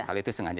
kalau itu sengaja